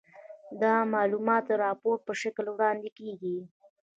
دا معلومات د راپور په شکل وړاندې کیږي.